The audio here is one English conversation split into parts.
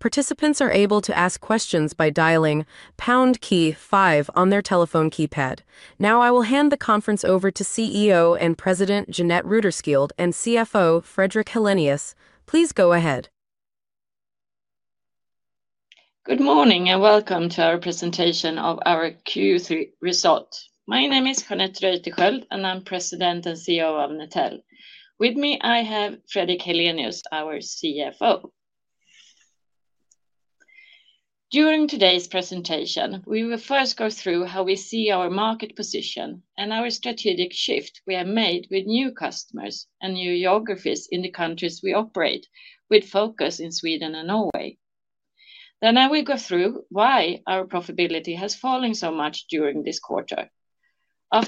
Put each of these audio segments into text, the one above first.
Participants are able to ask questions by dialing pound key five on their telephone keypad. Now, I will hand the conference over to CEO and President Jeanette Reuterskiöld and CFO Fredrik Helenius. Please go ahead. Good morning and welcome to our presentation of our Q3 results. My name is Jeanette Reuterskiöld and I'm President and CEO of Netel. With me, I have Fredrik Helenius, our CFO. During today's presentation, we will first go through how we see our market position and our strategic shift we have made with new customers and new geographies in the countries we operate, with focus in Sweden and Norway. I will go through why our profitability has fallen so much during this quarter. After that,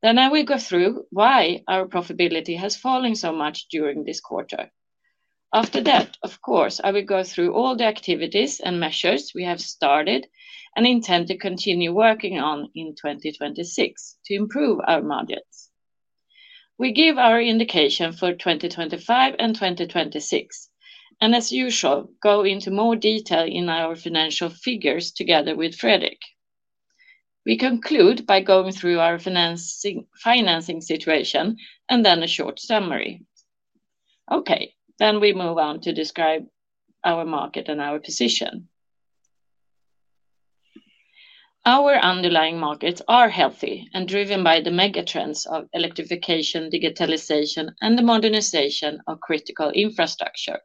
I will go through all the activities and measures we have started and intend to continue working on in 2026 to improve our margins. We give our indication for 2025 and 2026, and as usual, go into more detail in our financial figures together with Fredrik. We conclude by going through our financing situation and then a short summary. Okay, then we move on to describe our market and our position. Our underlying markets are healthy and driven by the megatrends of electrification, digitalization, and the modernization of critical infrastructure.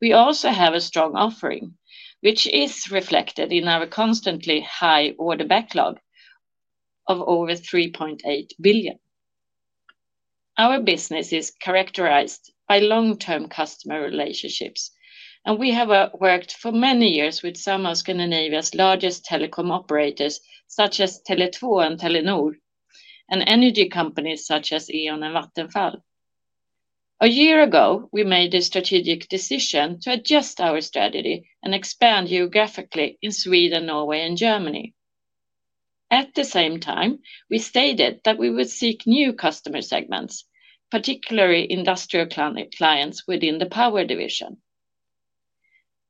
We also have a strong offering, A year ago, we made a strategic decision to adjust our strategy and expand geographically in Sweden, Norway, and Germany. At the same time, we stated that we would seek new customer segments, particularly industrial clients within the power division.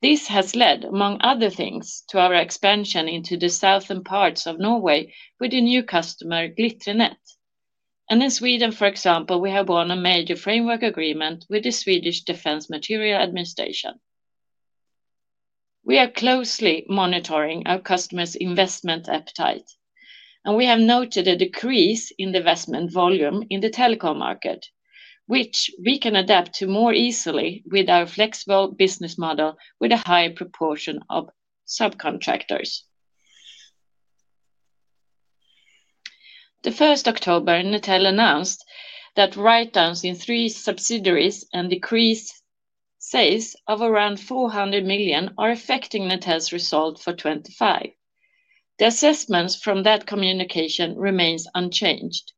This has led, among other things, to our expansion into the southern parts of Norway with the new customer Glitre Nett. In Sweden, for example, we have won a major framework agreement with the Swedish Defence Materiel Administration. We are closely monitoring our customers' investment appetite, and we have noted a decrease in the investment volume in the telecom market, which we can adapt to more easily with our flexible business model with a higher proportion of subcontractors. On October 1, Netel announced that write-downs in three subsidiaries and decreased sales of around 400 million are affecting Netel's result for 2025. The assessments from that communication remain unchanged.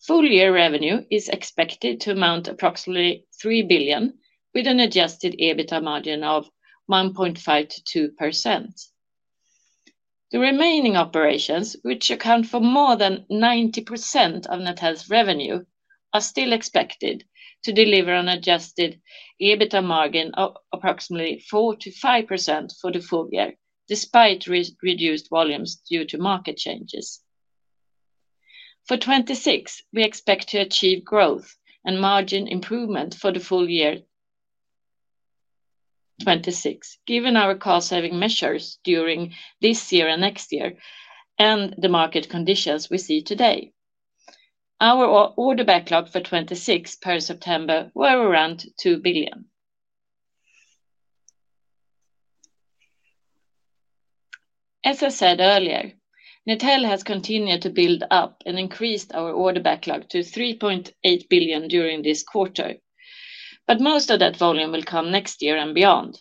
Full-year revenue is expected to amount to approximately 3 billion, with an adjusted EBITDA margin of 1.5%-2%. The remaining operations, which account for more than 90% of Netel's revenue, are still expected to deliver an adjusted EBITDA margin of approximately 4%-5% for the full year, despite reduced volumes due to market changes. For 2026, we expect to achieve growth and margin improvement for the full year 2026, given our cost-saving measures during this year and next year, and the market conditions we see today. Our order backlog for 2026 per September was around SEK 2 billion. As I said earlier, Netel has continued to build up and increased our order backlog to 3.8 billion during this quarter, but most of that volume will come next year and beyond.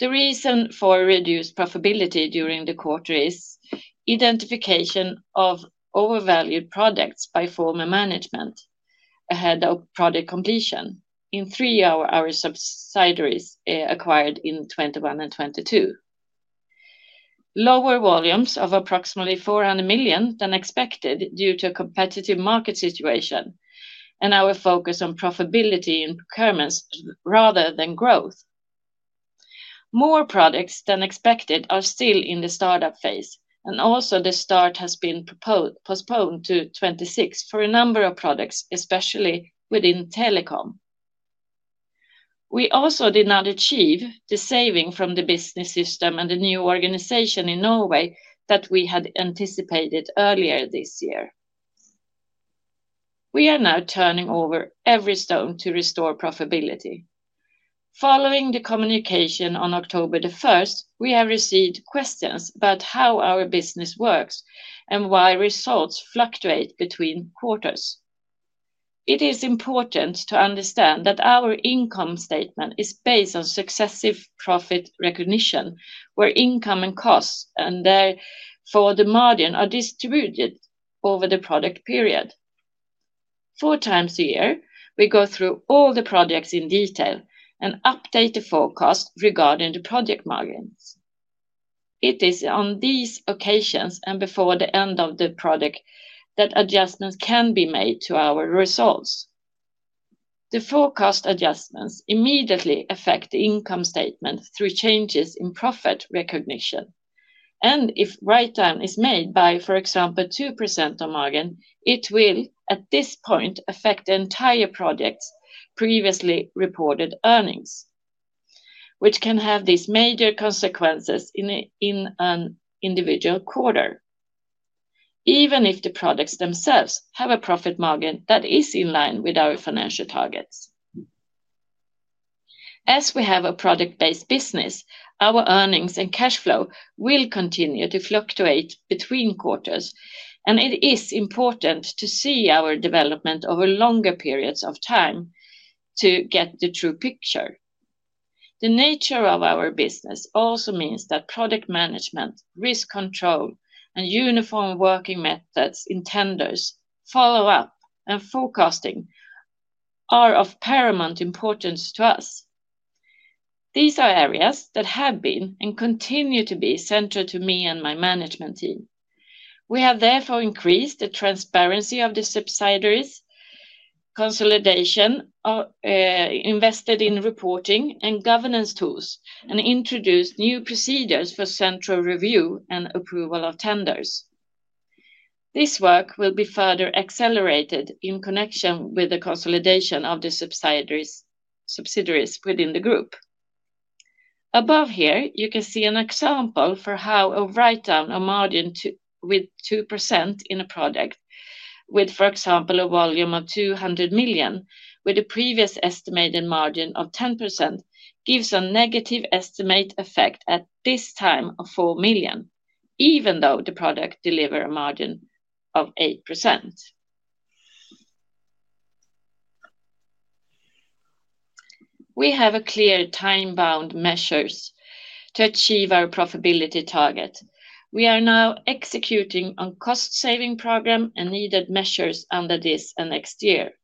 The reason for reduced profitability during the quarter is the identification of overvalued products by former management ahead of product completion in three of our subsidiaries acquired in 2021 and 2022. Lower volumes of approximately 400 million than expected due to a competitive market situation and our focus on profitability in procurements rather than growth. More products than expected are still in the startup phase, and also the start has been postponed to 2026 for a number of products, especially within telecom. We also did not achieve the saving from the business system and the new organization in Norway that we had anticipated earlier this year. We are now turning over every stone to restore profitability. Following the communication on October 1st, we have received questions about how our business works and why results fluctuate between quarters. It is important to understand that our income statement is based on successive profit recognition, where income and costs and therefore the margin are distributed over the product period. Four times a year, we go through all the products in detail and update the forecast regarding the product margins. It is on these occasions and before the end of the product that adjustments can be made to our results. The forecast adjustments immediately affect the income statement through changes in profit recognition, and if a write-down is made by, for example, 2% of margin, it will, at this point, affect the entire product's previously reported earnings, which can have these major consequences in an individual quarter, even if the products themselves have a profit margin that is in line with our financial targets. As we have a product-based business, our earnings and cash flow will continue to fluctuate between quarters, and it is important to see our development over longer periods of time to get the true picture. The nature of our business also means that product management, risk control, and uniform working methods in tenders follow up, and forecasting are of paramount importance to us. These are areas that have been and continue to be central to me and my management team. We have therefore increased the transparency of the subsidiaries, consolidation, invested in reporting and governance tools, and introduced new procedures for central review and approval of tenders. This work will be further accelerated in connection with the consolidation of the subsidiaries within the group. Above here, you can see an example for how a write-down of margin with 2% in a product, with, for example, a volume of 200 million, with a previous estimated margin of 10%, gives a negative estimate effect at this time of 4 million, even though the product delivered a margin of 8%. We have clear time-bound measures to achieve our profitability target. We are now executing on a cost-saving program and needed measures under this and next year.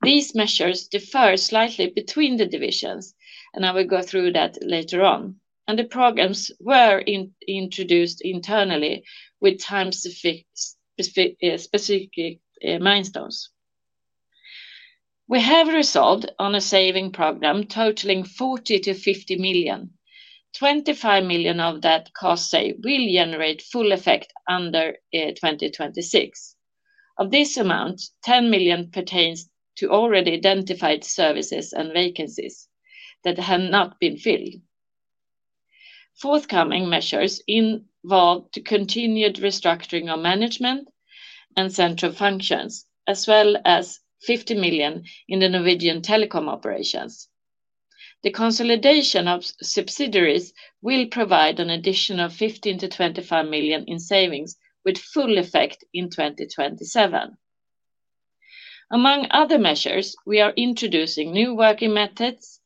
These measures differ slightly between the divisions, and I will go through that later on. The programs were introduced internally with time-specific milestones. We have resolved on a saving program totaling 40 million-50 million. 25 million of that cost save will generate full effect under 2026. Of this amount, 10 million pertains to already identified services and vacancies that have not been filled. Forthcoming measures involve continued restructuring of management and central functions, as well as 50 million in the Norwegian telecom operations. The consolidation of subsidiaries will provide an additional 15 million-25 million in savings with full effect in 2027. Among other measures, we are introducing new working methods,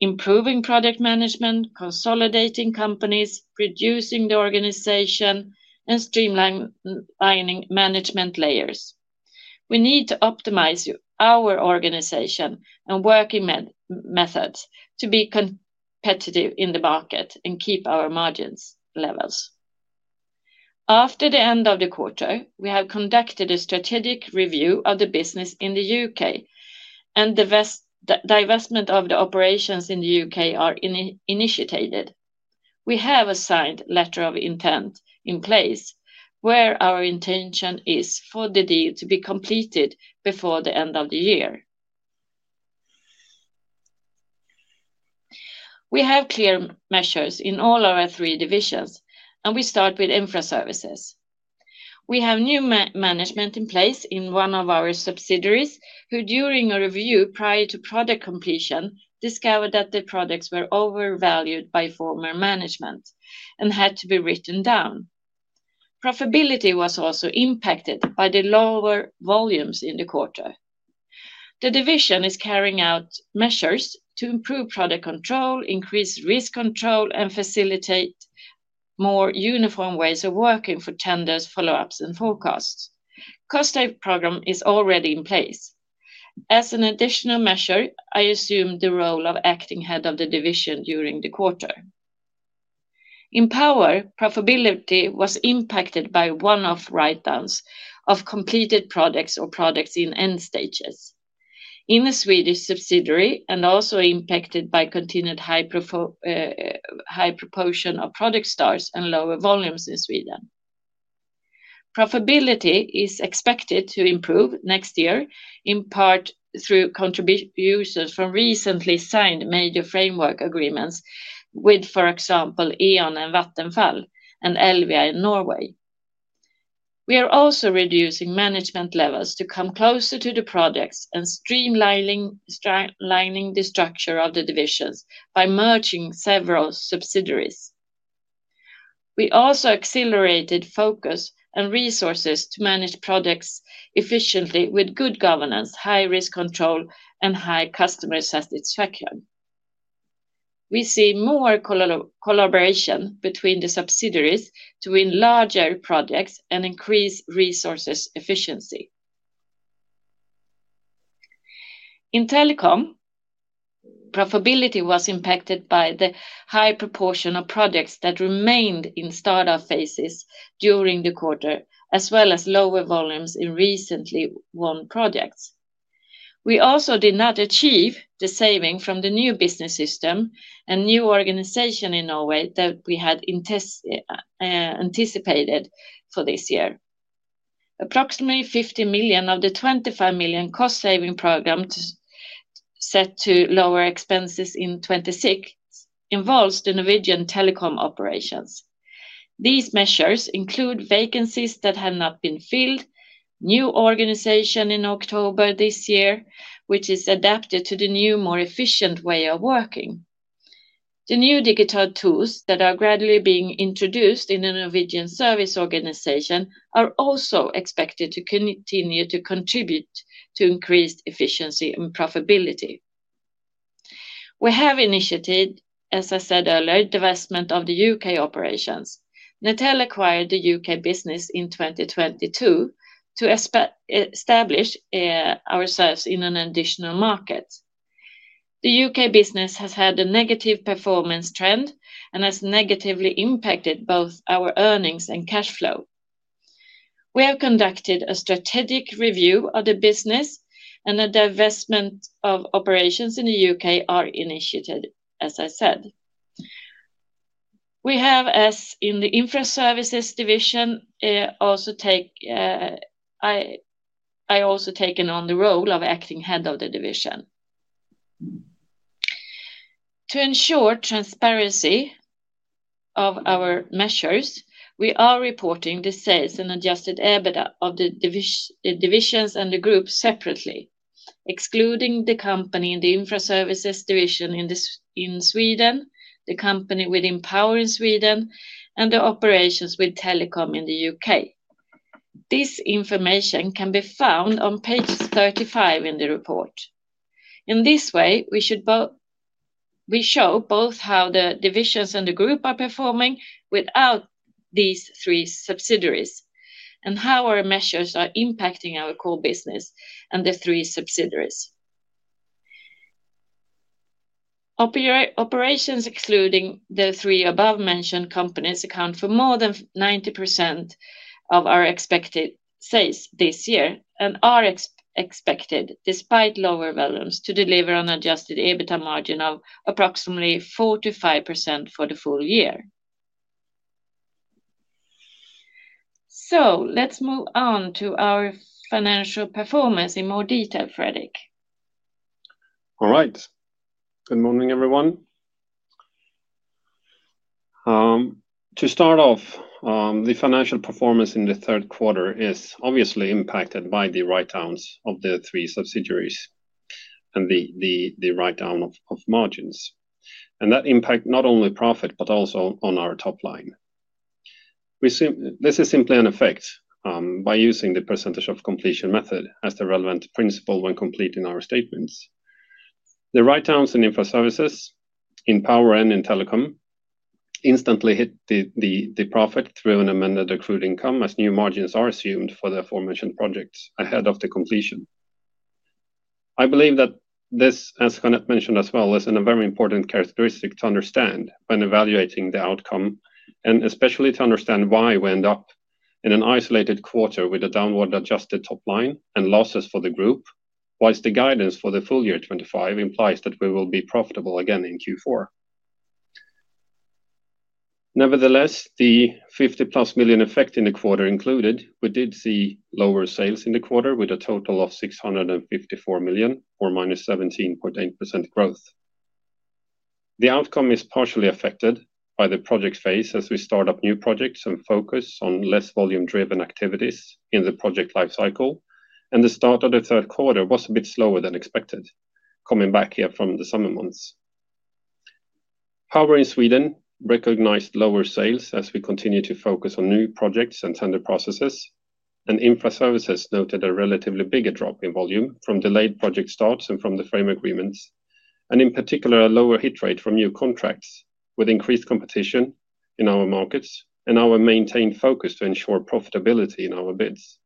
improving product management, consolidating companies, reducing the organization, and streamlining management layers. We need to optimize our organization and working methods to be competitive in the market and keep our margins levels. After the end of the quarter, we have conducted a strategic review of the business in the U.K., and the divestment of the operations in the U.K. is initiated. We have a signed letter of intent in place, where our intention is for the deal to be completed before the end of the year. We have clear measures in all our three divisions, and we start with infra services. We have new management in place in one of our subsidiaries who, during a review prior to product completion, discovered that the products were overvalued by former management and had to be written down. Profitability was also impacted by the lower volumes in the quarter. The division is carrying out measures to improve product control, increase risk control, and facilitate more uniform ways of working for tenders, follow-ups, and forecasts. The cost-saving program is already in place. As an additional measure, I assume the role of Acting Head of the division during the quarter. In power, profitability was impacted by one-off write-downs of completed products or products in end stages in the Swedish subsidiary, and also impacted by continued high proportion of product starts and lower volumes in Sweden. Profitability is expected to improve next year, in part through contributions from recently signed major framework agreements with, for example, E.ON and Vattenfall and Elvia in Norway. We are also reducing management levels to come closer to the products and streamlining the structure of the divisions by merging several subsidiaries. We also accelerated focus and resources to manage products efficiently with good governance, high risk control, and high customer satisfaction. We see more collaboration between the subsidiaries to win larger projects and increase resources efficiency. In telecom, profitability was impacted by the high proportion of products that remained in startup phases during the quarter, as well as lower volumes in recently won projects. We also did not achieve the saving from the new business system and new organization in Norway that we had anticipated for this year. Approximately 50 million of the 25 million cost-saving program set to lower expenses in 2026 involves the Norwegian telecom operations. These measures include vacancies that have not been filled, new organization in October this year, which is adapted to the new, more efficient way of working. The new digital tools that are gradually being introduced in the Norwegian service organization are also expected to continue to contribute to increased efficiency and profitability. We have initiated, as I said earlier, divestment of the U.K. operations. Netel acquired the U.K. business in 2022 to establish ourselves in an additional market. The U.K. business has had a negative performance trend and has negatively impacted both our earnings and cash flow. We have conducted a strategic review of the business, and a divestment of operations in the U.K. is initiated, as I said. We have, as in the infra services division, also taken on the role of Acting Head of the division. To ensure transparency of our measures, we are reporting the sales and adjusted EBITDA of the divisions and the group separately, excluding the company in the infra services division in Sweden, the company within power in Sweden, and the operations with telecom in the U.K. This information can be found on page 35 in the report. In this way, we show both how the divisions and the group are performing without these three subsidiaries and how our measures are impacting our core business and the three subsidiaries. Operations excluding the three above-mentioned companies account for more than 90% of our expected sales this year and are expected, despite lower volumes, to deliver an adjusted EBITDA margin of approximately 4%-5% for the full year. Let's move on to our financial performance in more detail, Fredrik. All right. Good morning, everyone. To start off, the financial performance in the third quarter is obviously impacted by the write-downs of the three subsidiaries and the write-down of margins. That impacts not only profit but also on our top line. This is simply an effect by using the percentage of completion method as the relevant principle when completing our statements. The write-downs in infra services in power and in telecom instantly hit the profit through an amended accrued income as new margins are assumed for the aforementioned projects ahead of the completion. I believe that this, as Jeanette mentioned as well, is a very important characteristic to understand when evaluating the outcome, and especially to understand why we end up in an isolated quarter with a downward adjusted top line and losses for the group, whilst the guidance for the full year 2025 implies that we will be profitable again in Q4. Nevertheless, the 50+ million effect in the quarter included, we did see lower sales in the quarter with a total of 654 million or -17.8% growth. The outcome is partially affected by the project phase as we start up new projects and focus on less volume-driven activities in the project lifecycle, and the start of the third quarter was a bit slower than expected, coming back here from the summer months. Power in Sweden recognized lower sales as we continue to focus on new projects and tender processes, and infra services noted a relatively bigger drop in volume from delayed project starts and from the frame agreements, and in particular, a lower hit rate from new contracts with increased competition in our markets and our maintained focus to ensure profitability in our bids.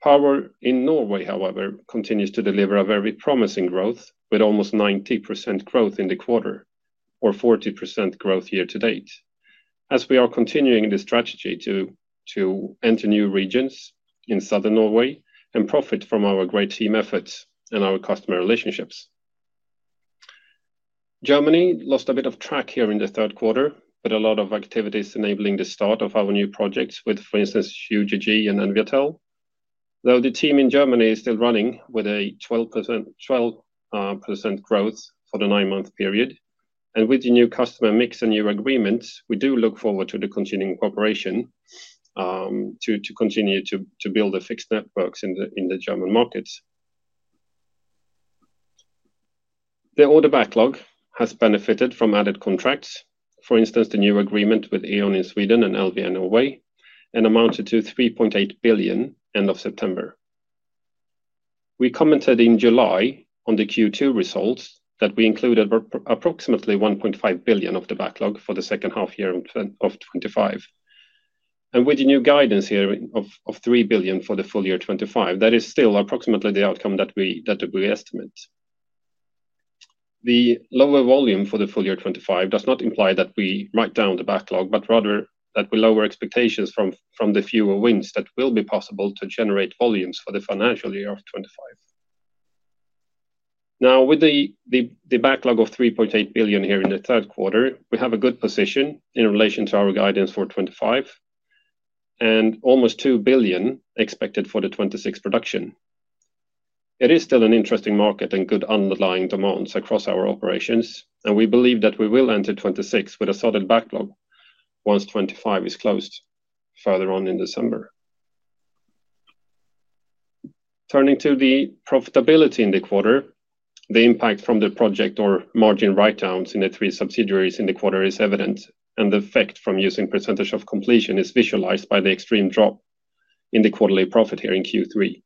Power in Norway, however, continues to deliver a very promising growth with almost 90% growth in the quarter or 40% growth year-to-date, as we are continuing the strategy to enter new regions in southern Norway and profit from our great team efforts and our customer relationships. Germany lost a bit of track here in the third quarter, but a lot of activities enabling the start of our new projects with, for instance, QSC and Enviatel, though the team in Germany is still running with a 12% growth for the nine-month period. With the new customer mix and new agreements, we do look forward to the continuing cooperation to continue to build the fixed networks in the German markets. The order backlog has benefited from added contracts. For instance, the new agreement with E.ON in Sweden and Elvia in Norway amounted to 3.8 billion end of September. We commented in July on the Q2 results that we included approximately 1.5 billion of the backlog for the second half year of 2025. With the new guidance here of 3 billion for the full year 2025, that is still approximately the outcome that we estimate. The lower volume for the full year 2025 does not imply that we write down the backlog, but rather that we lower expectations from the fewer wins that will be possible to generate volumes for the financial year of 2025. Now, with the backlog of 3.8 billion here in the third quarter, we have a good position in relation to our guidance for 2025 and almost 2 billion expected for the 2026 production. It is still an interesting market and good underlying demands across our operations, and we believe that we will enter 2026 with a solid backlog once 2025 is closed further on in December. Turning to the profitability in the quarter, the impact from the project or margin write-downs in the three subsidiaries in the quarter is evident, and the effect from using percentage of completion is visualized by the extreme drop in the quarterly profit here in Q3.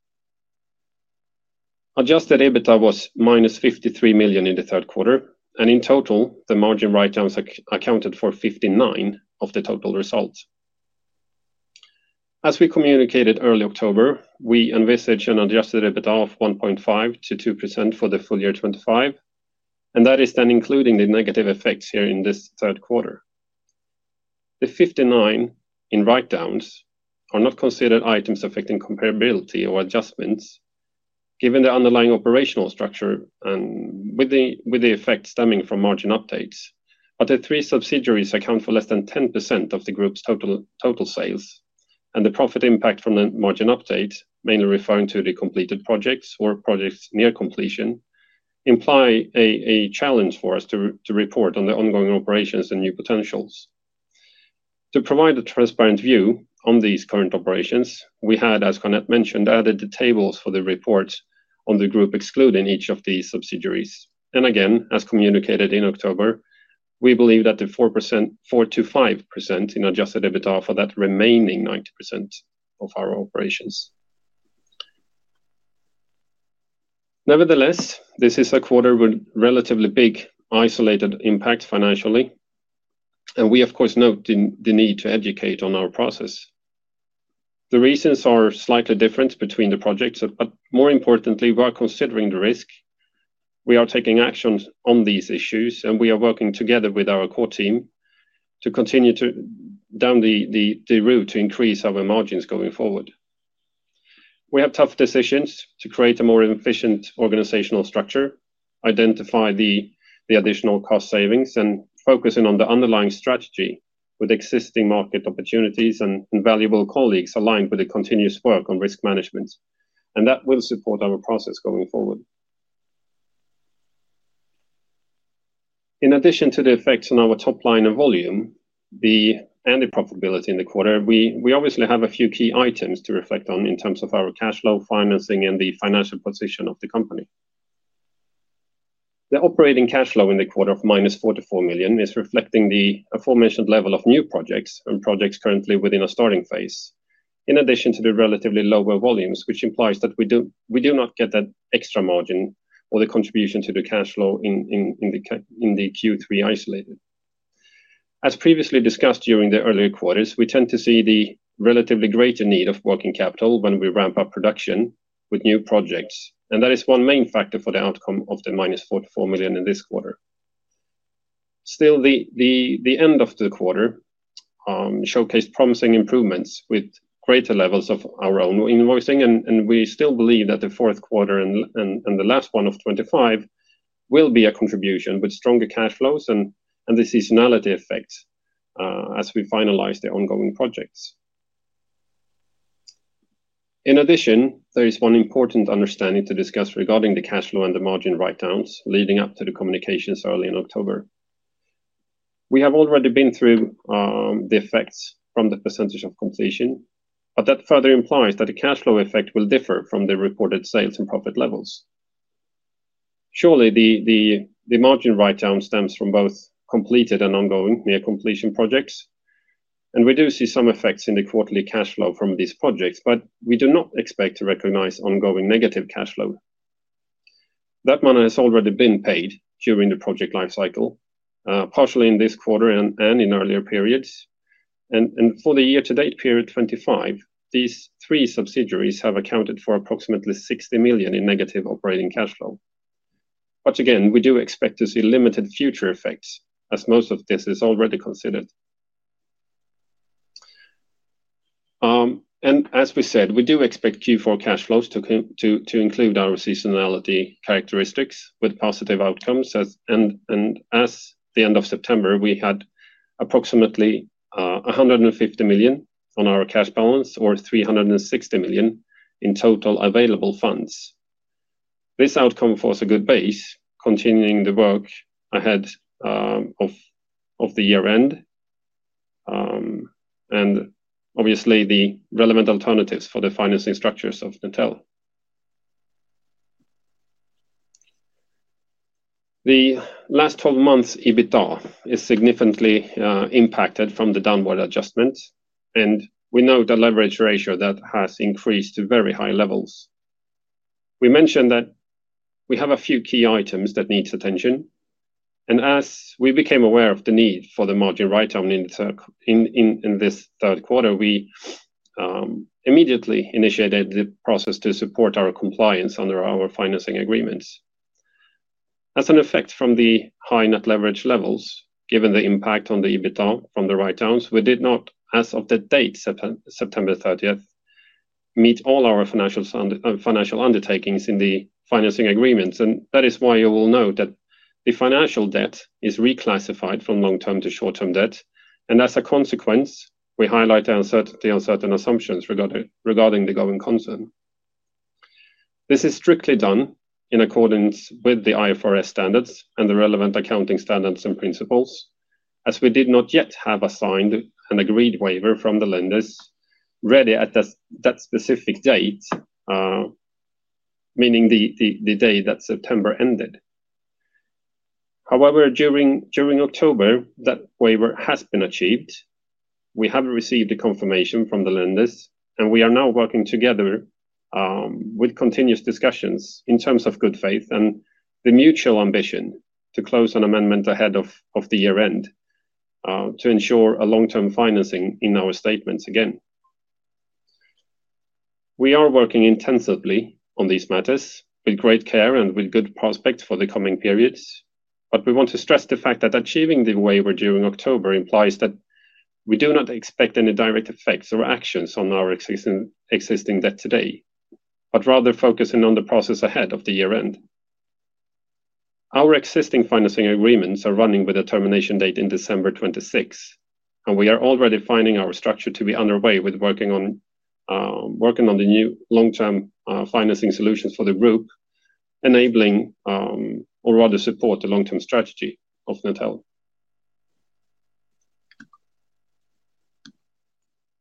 Adjusted EBITDA was -53 million in the third quarter, and in total, the margin write-downs accounted for 59 million of the total results. As we communicated early October, we envisage an adjusted EBITDA of 1.5%-2% for the full year 2025, and that is then including the negative effects here in this third quarter. The 59 million in write-downs are not considered items affecting comparability or adjustments given the underlying operational structure and with the effects stemming from margin updates. The three subsidiaries account for less than 10% of the group's total sales, and the profit impact from the margin updates, mainly referring to the completed projects or projects near completion, imply a challenge for us to report on the ongoing operations and new potentials. To provide a transparent view on these current operations, we had, as Jeanette mentioned, added the tables for the reports on the group excluding each of these subsidiaries. As communicated in October, we believe that the 4.25% in adjusted EBITDA for that remaining 90% of our operations. Nevertheless, this is a quarter with relatively big isolated impacts financially, and we, of course, note the need to educate on our process. The reasons are slightly different between the projects, but more importantly, we are considering the risk. We are taking action on these issues, and we are working together with our core team to continue down the route to increase our margins going forward. We have tough decisions to create a more efficient organizational structure, identify the additional cost savings, and focus in on the underlying strategy with existing market opportunities and valuable colleagues aligned with the continuous work on risk management. That will support our process going forward. In addition to the effects on our top line and volume and the profitability in the quarter, we obviously have a few key items to reflect on in terms of our cash flow, financing, and the financial position of the company. The operating cash flow in the quarter of -44 million is reflecting the aforementioned level of new projects and projects currently within a starting phase, in addition to the relatively lower volumes, which implies that we do not get that extra margin or the contribution to the cash flow in the Q3 isolated. As previously discussed during the earlier quarters, we tend to see the relatively greater need of working capital when we ramp up production with new projects, and that is one main factor for the outcome of the -44 million in this quarter. Still, the end of the quarter showcased promising improvements with greater levels of our own invoicing, and we still believe that the fourth quarter and the last one of 2025 will be a contribution with stronger cash flows and the seasonality effects as we finalize the ongoing projects. In addition, there is one important understanding to discuss regarding the cash flow and the margin write-downs leading up to the communications early in October. We have already been through the effects from the percentage of completion, but that further implies that the cash flow effect will differ from the reported sales and profit levels. Surely, the margin write-down stems from both completed and ongoing near completion projects, and we do see some effects in the quarterly cash flow from these projects, but we do not expect to recognize ongoing negative cash flow. That money has already been paid during the project lifecycle, partially in this quarter and in earlier periods. For the year-to-date period 2025, these three subsidiaries have accounted for approximately 60 million in negative operating cash flow. Again, we do expect to see limited future effects as most of this is already considered. As we said, we do expect Q4 cash flows to include our seasonality characteristics with positive outcomes. As of the end of September, we had approximately 150 million on our cash balance or 360 million in total available funds. This outcome for us is a good base, continuing the work ahead of the year-end and obviously the relevant alternatives for the financing structures of Netel. The last 12 months' EBITDA is significantly impacted from the downward adjustment, and we know the leverage ratio has increased to very high levels. We mentioned that we have a few key items that need attention. As we became aware of the need for the margin write-down in this third quarter, we immediately initiated the process to support our compliance under our financing agreements. As an effect from the high net leverage levels, given the impact on the EBITDA from the write-downs, we did not, as of the date September 30, meet all our financial undertakings in the financing agreements. That is why you will note that the financial debt is reclassified from long-term to short-term debt. As a consequence, we highlight the uncertain assumptions regarding the going concern. This is strictly done in accordance with the IFRS standards and the relevant accounting standards and principles, as we did not yet have a signed and agreed waiver from the lenders ready at that specific date, meaning the day that September ended. However, during October, that waiver has been achieved. We have received a confirmation from the lenders, and we are now working together with continuous discussions in terms of good faith and the mutual ambition to close an amendment ahead of the year-end to ensure a long-term financing in our statements again. We are working intensively on these matters with great care and with good prospects for the coming periods. We want to stress the fact that achieving the waiver during October implies that we do not expect any direct effects or actions on our existing debt today, but rather focus on the process ahead of the year-end. Our existing financing agreements are running with a termination date in December 2026, and we are already finding our structure to be underway with working on the new long-term financing solutions for the group, enabling or rather supporting the long-term strategy of Netel.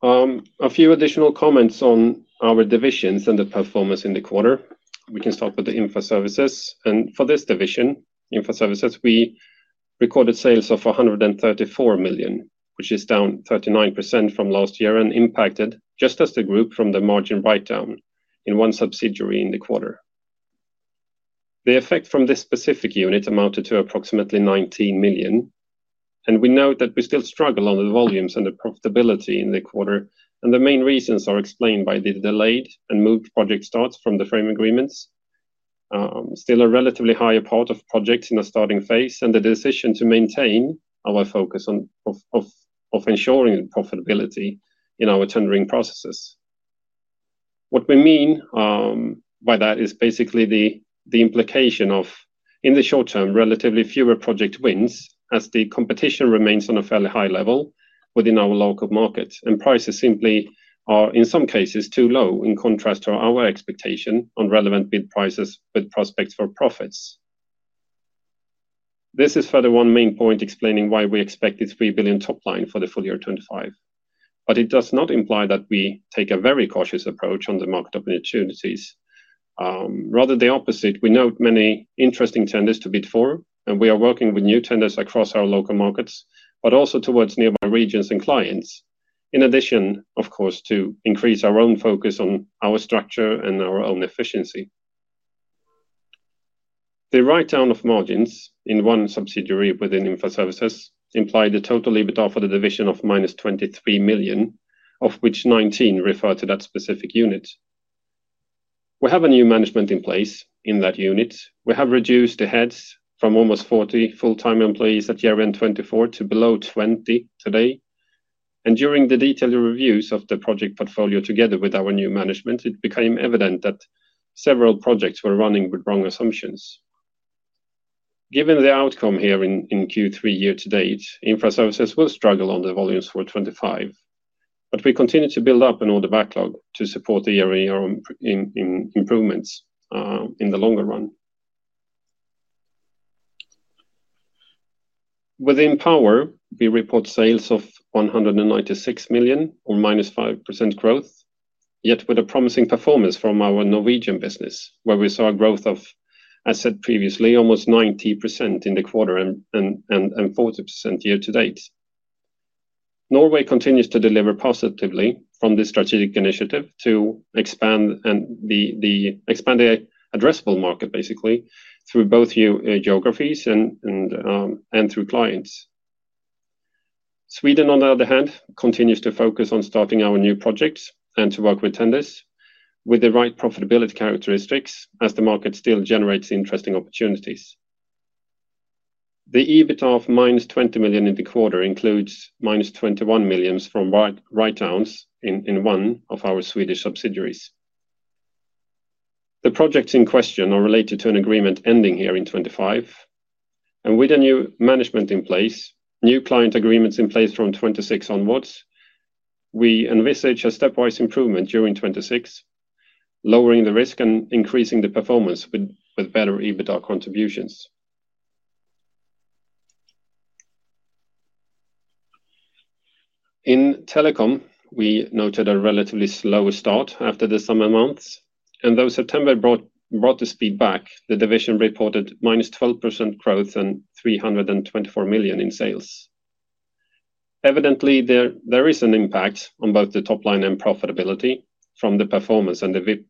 A few additional comments on our divisions and the performance in the quarter. We can start with the infra services. For this division, infra services, we recorded sales of 134 million, which is down 39% from last year and impacted, just as the group, from the margin write-down in one subsidiary in the quarter. The effect from this specific unit amounted to approximately 19 million, and we note that we still struggle on the volumes and the profitability in the quarter. The main reasons are explained by the delayed and moved project starts from the frame agreements. Still, a relatively higher part of projects in the starting phase and the decision to maintain our focus on ensuring profitability in our tendering processes. What we mean by that is basically the implication of, in the short term, relatively fewer project wins as the competition remains on a fairly high level within our local market, and prices simply are, in some cases, too low in contrast to our expectation on relevant bid prices with prospects for profits. This is further one main point explaining why we expect a 3 billion top line for the full year 2025, but it does not imply that we take a very cautious approach on the market opportunities. Rather the opposite, we note many interesting tenders to bid for, and we are working with new tenders across our local markets, but also towards nearby regions and clients, in addition, of course, to increase our own focus on our structure and our own efficiency. The write-down of margins in one subsidiary within infra services implied a total EBITDA for the division of -23 million, of which 19 million refer to that specific unit. We have a new management in place in that unit. We have reduced the heads from almost 40 full-time employees at year-end 2024 to below 20 today. During the detailed reviews of the project portfolio together with our new management, it became evident that several projects were running with wrong assumptions. Given the outcome here in Q3 year-to-date, infra services will struggle on the volumes for 2025, but we continue to build up an order backlog to support the year-on-year improvements in the longer run. Within power, we report sales of 196 million or -5% growth, yet with a promising performance from our Norwegian business, where we saw a growth of, as said previously, almost 90% in the quarter and 40% year-to-date. Norway continues to deliver positively from this strategic initiative to expand the addressable market, basically, through both geographies and through clients. Sweden, on the other hand, continues to focus on starting our new projects and to work with tenders with the right profitability characteristics as the market still generates interesting opportunities. The EBITDA of -$20 million in the quarter includes -$21 million from write-downs in one of our Swedish subsidiaries. The projects in question are related to an agreement ending here in 2025. With a new management in place, new client agreements in place from 2026 onwards, we envisage a stepwise improvement during 2026, lowering the risk and increasing the performance with better EBITDA contributions. In telecom, we noted a relatively slower start after the summer months. Though September brought the speed back, the division reported -12% growth and $324 million in sales. Evidently, there is an impact on both the top line and profitability from the performance and the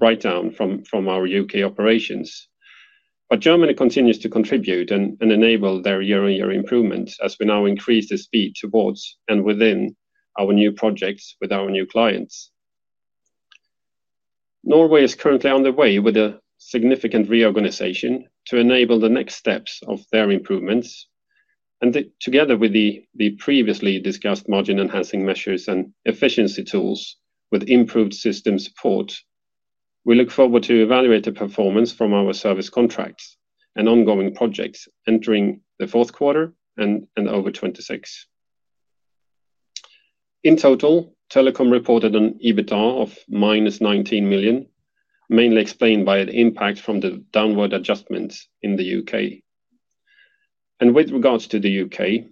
write-down from our U.K. operations. Germany continues to contribute and enable their year-on-year improvement as we now increase the speed towards and within our new projects with our new clients. Norway is currently underway with a significant reorganization to enable the next steps of their improvements. Together with the previously discussed margin enhancing measures and efficiency tools with improved system support, we look forward to evaluate the performance from our service contracts and ongoing projects entering the fourth quarter and over 2026. In total, telecom reported an EBITDA of -$19 million, mainly explained by the impact from the downward adjustments in the U.K. With regards to the U.K.,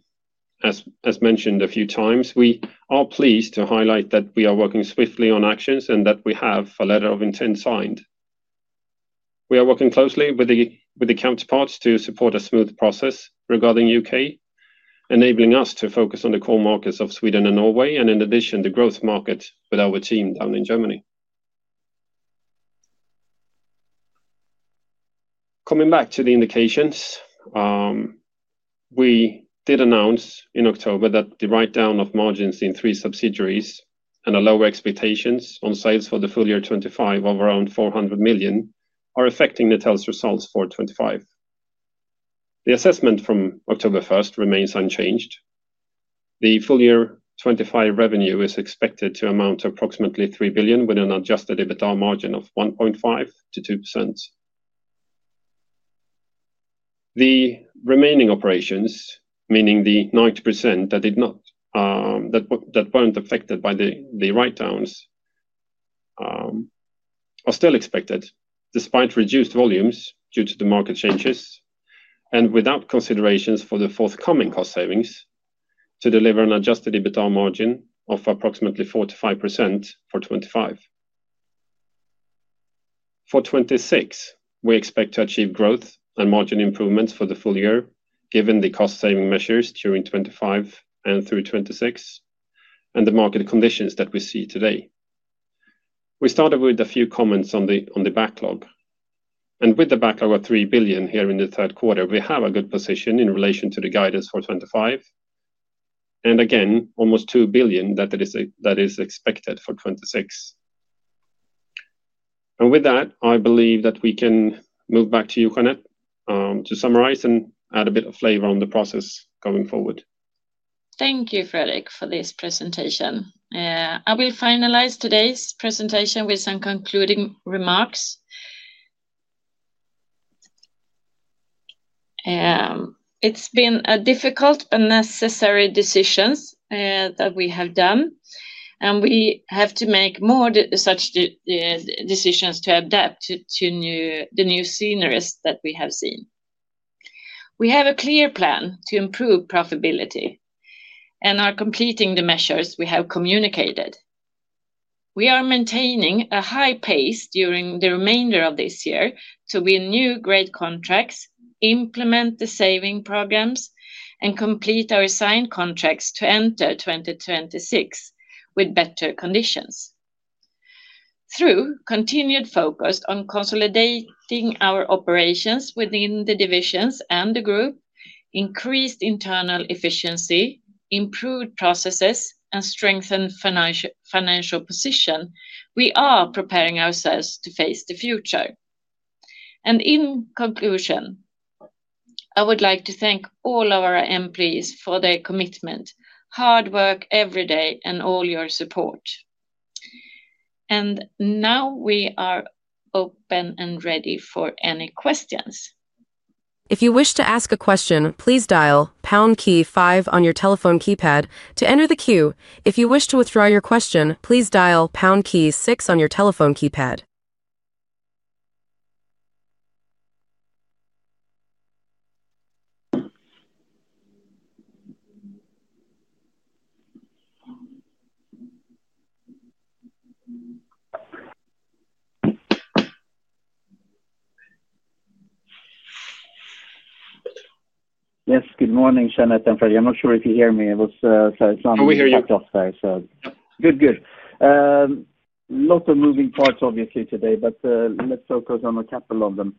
as mentioned a few times, we are pleased to highlight that we are working swiftly on actions and that we have a letter of intent signed. We are working closely with the counterparts to support a smooth process regarding the U.K., enabling us to focus on the core markets of Sweden and Norway, and in addition, the growth markets with our team down in Germany. Coming back to the indications, we did announce in October that the write-down of margins in three subsidiaries and the lower expectations on sales for the full year 2025 of around 400 million are affecting Netel's results for 2025. The assessment from October 1 remains unchanged. The full year 2025 revenue is expected to amount to approximately 3 billion with an adjusted EBITDA margin of 1.5%-2%. The remaining operations, meaning the 90% that weren't affected by the write-downs, are still expected, despite reduced volumes due to the market changes and without considerations for the forthcoming cost-saving program, to deliver an adjusted EBITDA margin of approximately 4%-5% for 2025. For 2026, we expect to achieve growth and margin improvements for the full year given the cost-saving measures during 2025 and through 2026 and the market conditions that we see today. We started with a few comments on the order backlog. With the backlog of 3 billion here in the third quarter, we have a good position in relation to the guidance for 2025. Almost 2 billion is expected for 2026. With that, I believe that we can move back to you, Jeanette, to summarize and add a bit of flavor on the process going forward. Thank you, Fredrik, for this presentation. I will finalize today's presentation with some concluding remarks. It's been a difficult but necessary decision that we have done, and we have to make more such decisions to adapt to the new scenarios that we have seen. We have a clear plan to improve profitability and are completing the measures we have communicated. We are maintaining a high pace during the remainder of this year to win new, great contracts, implement the saving programs, and complete our signed contracts to enter 2026 with better conditions. Through continued focus on consolidating our operations within the divisions and the group, increased internal efficiency, improved processes, and strengthened financial position, we are preparing ourselves to face the future. In conclusion, I would like to thank all of our employees for their commitment, hard work every day, and all your support. We are open and ready for any questions. If you wish to ask a question, please dial pound key five on your telephone keypad to enter the queue. If you wish to withdraw your question, please dial pound key six on your telephone keypad. Yes, good morning, Jeanette and Fredrik. I'm not sure if you hear me. Oh, we hear you. A lot of moving parts, obviously, today, but let's focus on a couple of them.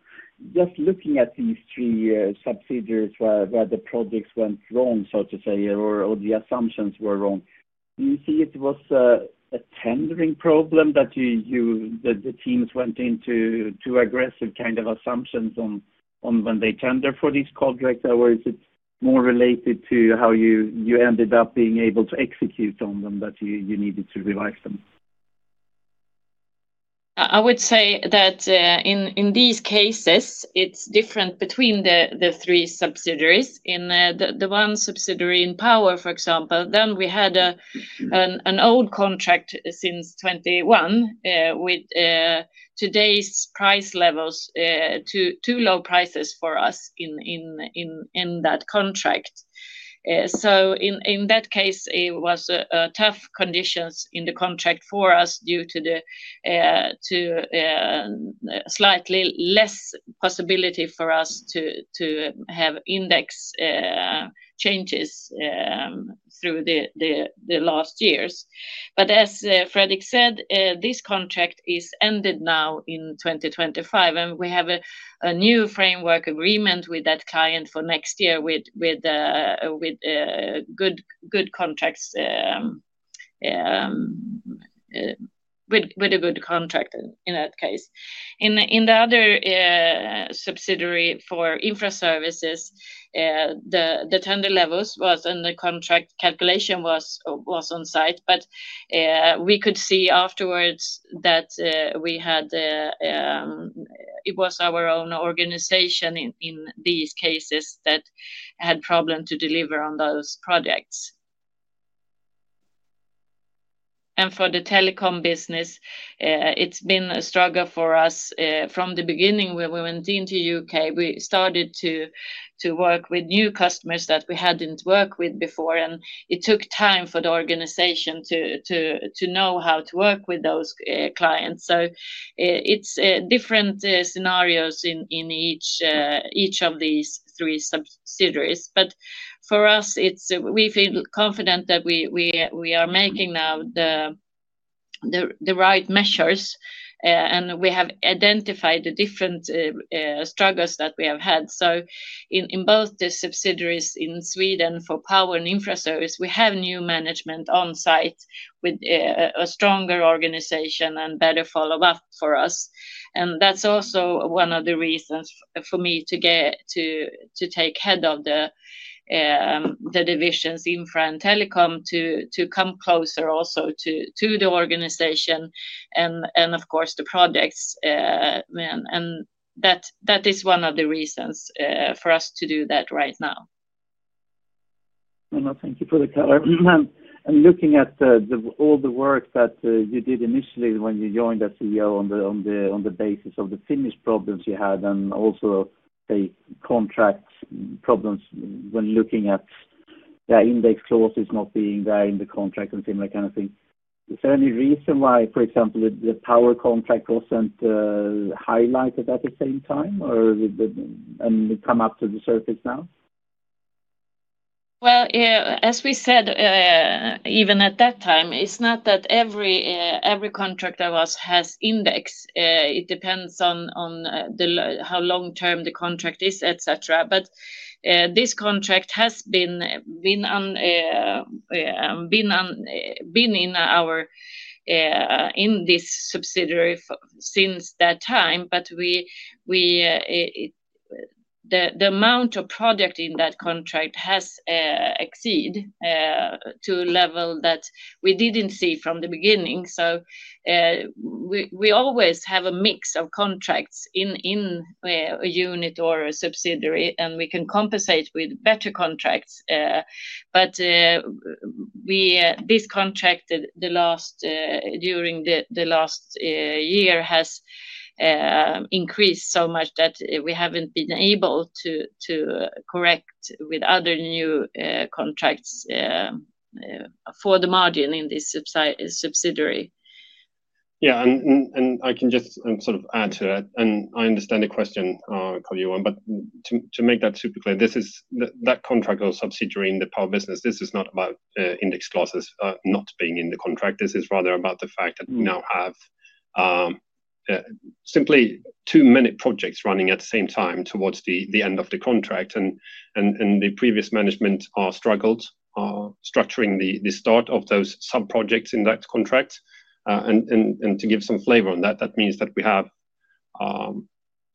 Just looking at these three subsidiaries where the projects went wrong, so to say, or the assumptions were wrong, do you see it was a tendering problem that the teams went into too aggressive kind of assumptions on when they tender for these projects, or is it more related to how you ended up being able to execute on them that you needed to revise them? I would say that in these cases, it's different between the three subsidiaries. In the one subsidiary in power, for example, we had an old contract since 2021. With today's price levels, too low prices for us in that contract. In that case, it was tough conditions in the contract for us due to slightly less possibility for us to have index changes through the last years. As Fredrik Helenius said, this contract is ended now in 2025, and we have a new framework agreement with that client for next year with a good contract in that case. In the other subsidiary for infra services, the tender levels and the contract calculation was on site, but we could see afterwards that it was our own organization in these cases that had problems to deliver on those projects. For the telecom business, it's been a struggle for us from the beginning when we went into the U.K. We started to work with new customers that we hadn't worked with before, and it took time for the organization to know how to work with those clients. It's different scenarios in each of these three subsidiaries. We feel confident that we are making now the right measures, and we have identified the different struggles that we have had. In both the subsidiaries in Sweden for power and infra services, we have new management on site with a stronger organization and better follow-up for us. That is also one of the reasons for me to take head of the divisions infra and telecom to come closer also to the organization and, of course, the projects. That is one of the reasons for us to do that right now. Thank you for the color. Looking at all the work that you did initially when you joined as CEO on the basis of the Finnish problems you had and also the contract problems when looking at the index clauses not being there in the contract and similar kind of thing, is there any reason why, for example, the power contract wasn't highlighted at the same time and come up to the surface now? As we said, even at that time, it's not that every contract of ours has index. It depends on how long-term the contract is, etc. This contract has been in this subsidiary since that time, but the amount of project in that contract has exceeded to a level that we didn't see from the beginning. We always have a mix of contracts in a unit or a subsidiary, and we can compensate with better contracts. This contract during the last year has increased so much that we haven't been able to correct with other new contracts for the margin in this subsidiary. Yeah, I can just sort of add to that. I understand the question. I'll call you one. To make that super clear, that contract or subsidiary in the power business, this is not about index clauses not being in the contract. This is rather about the fact that we now have simply too many projects running at the same time towards the end of the contract. The previous management struggled structuring the start of those subprojects in that contract. To give some flavor on that, that means that we have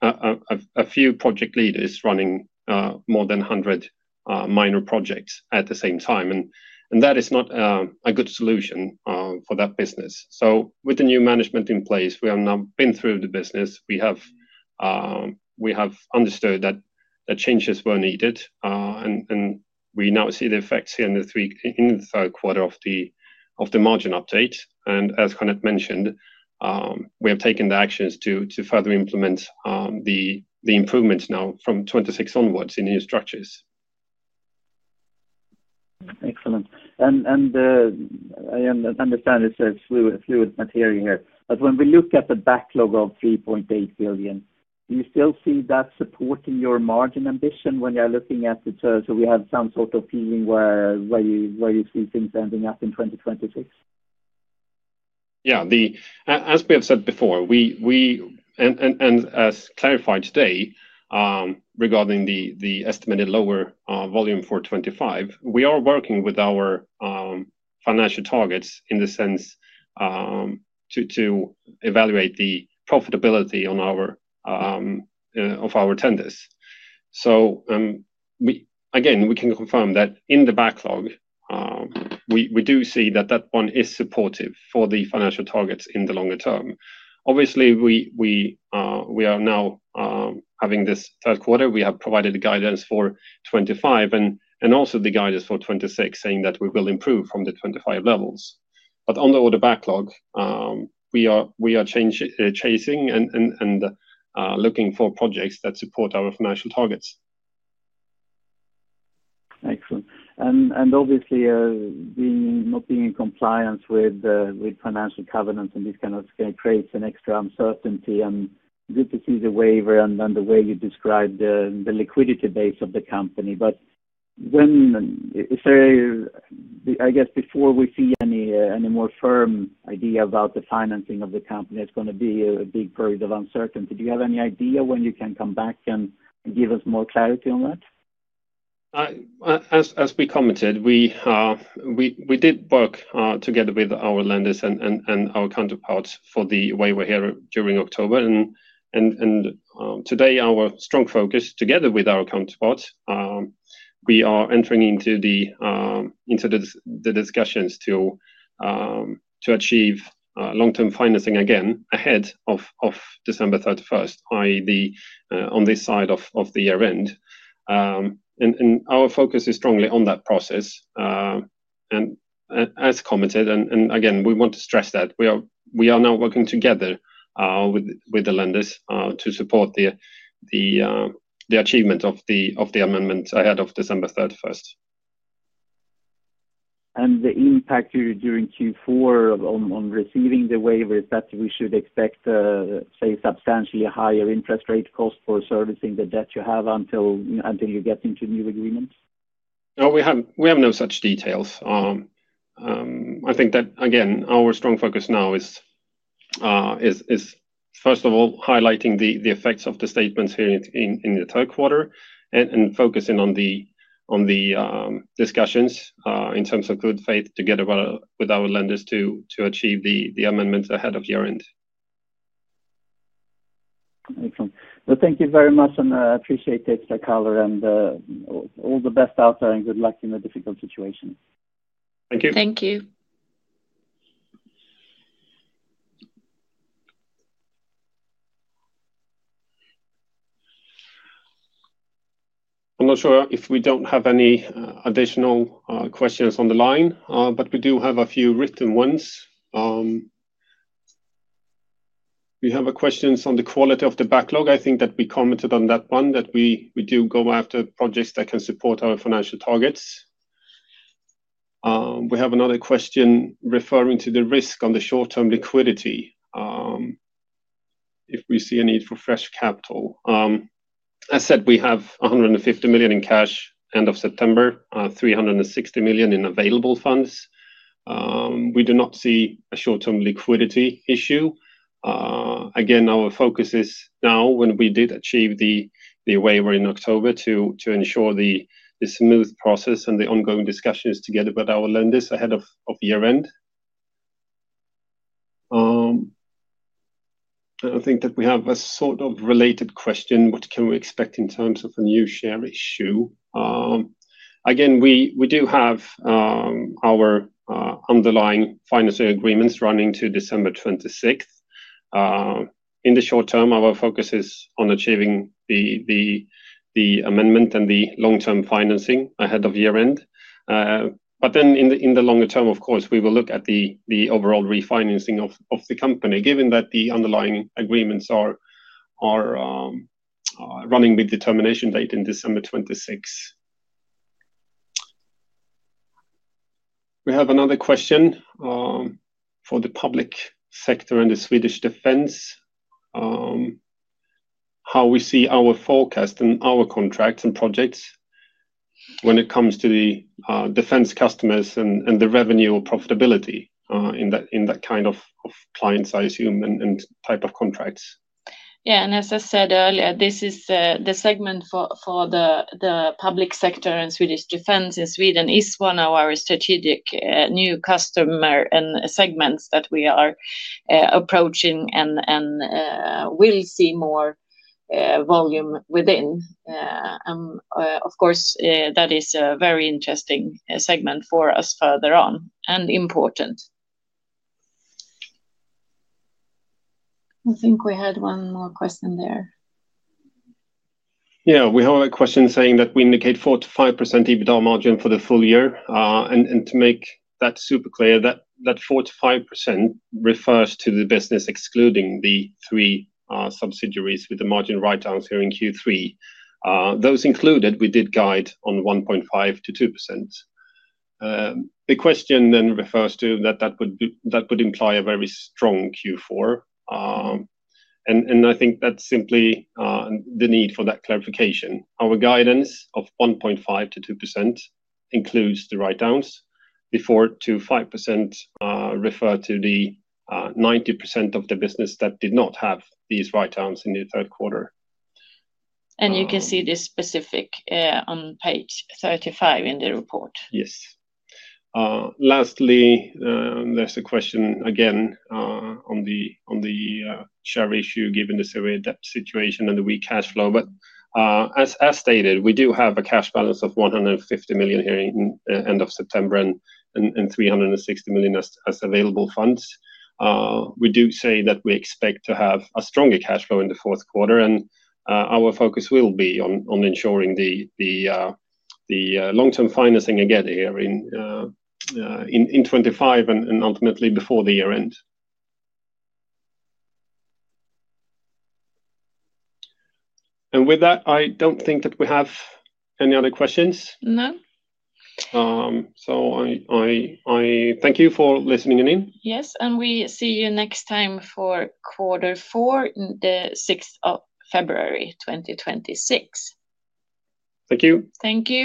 a few project leaders running more than 100 minor projects at the same time. That is not a good solution for that business. With the new management in place, we have now been through the business. We have understood that changes were needed, and we now see the effects here in the third quarter of the margin update. As Jeanette mentioned, we have taken the actions to further implement the improvements now from 2026 onwards in new structures. Excellent. I understand it's a fluid material here. When we look at the backlog of 3.8 billion, do you still see that supporting your margin ambition when you're looking at the terms? Do we have some sort of feeling where you see things ending up in 2026? Yeah, as we have said before, and as clarified today regarding the estimated lower volume for 2025, we are working with our financial targets in the sense to evaluate the profitability of our tenders. Again, we can confirm that in the backlog, we do see that that one is supportive for the financial targets in the longer term. Obviously, we are now having this third quarter. We have provided the guidance for 2025 and also the guidance for 2026, saying that we will improve from the 2025 levels. On the order backlog, we are chasing and looking for projects that support our financial targets. Excellent. Obviously, not being in compliance with financial covenants creates an extra uncertainty. It is good to see the waiver and the way you describe the liquidity base of the company. I guess before we see any more firm idea about the financing of the company, it's going to be a big period of uncertainty. Do you have any idea when you can come back and give us more clarity on that? As we commented, we did work together with our lenders and our counterparts for the waiver here during October. Today, our strong focus, together with our counterparts, is entering into the discussions to achieve long-term financing again ahead of December 31st, i.e., on this side of the year-end. Our focus is strongly on that process. As commented, we want to stress that we are now working together with the lenders to support the achievement of the amendment ahead of December 31st. The impact during Q4 on receiving the waiver is that we should expect, say, substantially higher interest rate cost for servicing the debt you have until you get into new agreements? No, we have no such details. I think that, again, our strong focus now is, first of all, highlighting the effects of the statements here in the third quarter and focusing on the discussions in terms of good faith together with our lenders to achieve the amendments ahead of year-end. Excellent. Thank you very much, I appreciate the extra color. All the best out there and good luck in the difficult situation. Thank you. Thank you. I'm not sure if we don't have any additional questions on the line, but we do have a few written ones. We have questions on the quality of the backlog. I think that we commented on that one, that we do go after projects that can support our financial targets. We have another question referring to the risk on the short-term liquidity if we see a need for fresh capital. As I said, we have 150 million in cash end of September, 360 million in available funds. We do not see a short-term liquidity issue. Again, our focus is now, when we did achieve the waiver in October, to ensure the smooth process and the ongoing discussions together with our lenders ahead of year-end. I think that we have a sort of related question, what can we expect in terms of a new share issue? Again, we do have our underlying financing agreements running to December 2026. In the short term, our focus is on achieving the amendment and the long-term financing ahead of year-end. In the longer term, of course, we will look at the overall refinancing of the company, given that the underlying agreements are running with the termination date in December 2026. We have another question for the public sector and the Swedish Defence, how we see our forecast and our contracts and projects when it comes to the defense customers and the revenue or profitability in that kind of clients, I assume, and type of contracts. Yeah, as I said earlier, this is the segment for the public sector, and Swedish Defence in Sweden is one of our strategic new customers and segments that we are approaching and will see more volume within. Of course, that is a very interesting segment for us further on and important. I think we had one more question there. Yeah, we have a question saying that we indicate 4%-5% EBITDA margin for the full year. To make that super clear, that 4%-5% refers to the business excluding the three subsidiaries with the margin write-downs here in Q3. Those included, we did guide on 1.5%-2%. The question then refers to that would imply a very strong Q4. I think that's simply the need for that clarification. Our guidance of 1.5%-2% includes the write-downs. The 4%-5% refer to the 90% of the business that did not have these write-downs in the third quarter. You can see this specific on page 35 in the report. Yes. Lastly, there's a question again on the share issue, given the severe debt situation and the weak cash flow. As stated, we do have a cash balance of 150 million here at the end of September and 360 million as available funds. We do say that we expect to have a stronger cash flow in the fourth quarter. Our focus will be on ensuring the long-term financing again here in 2025 and ultimately before the year-end. With that, I don't think that we have any other questions. No. Thank you for listening in. Yes, and we see you next time for quarter four on the 6th of February 2026. Thank you. Thank you.